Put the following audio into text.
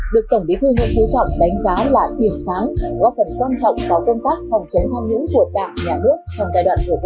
được tổng bí thư nguyễn phú trọng đánh giá là điểm sáng góp phần quan trọng vào công tác phòng chống tham nhũng của đảng nhà nước trong giai đoạn vừa qua